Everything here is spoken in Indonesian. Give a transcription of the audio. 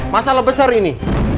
masalah besar ini